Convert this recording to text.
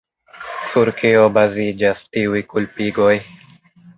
Sur kio baziĝas tiuj kulpigoj?